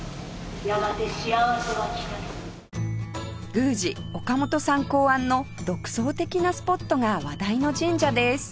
宮司岡本さん考案の独創的なスポットが話題の神社です